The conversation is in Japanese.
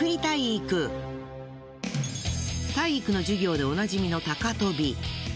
体育の授業でおなじみの高跳び。